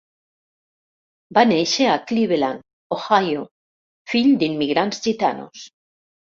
Va néixer a Cleveland Ohio, fill d'immigrants gitanos.